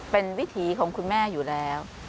เป็นวิถีของคุณแม่อยู่แล้ว